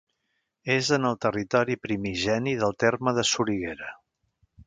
És en el territori primigeni del terme de Soriguera.